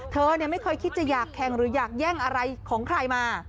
เธอไม่เคยคิดจะอยากแข่งหรืออยากแย่งอะไรของใครมา